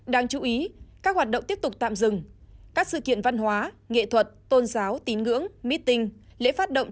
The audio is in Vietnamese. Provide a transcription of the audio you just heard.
đáng chú ý các hoạt động tiếp tục tạm dừng các sự kiện văn hóa nghệ thuật tôn giáo tín ngưỡng meeting lễ phát động